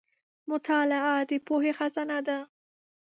• مطالعه د پوهې خزانه ده.